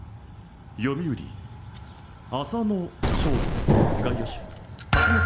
読売浅野翔吾外野手高松